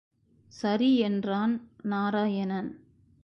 சரி என்றான் நாராயணன்.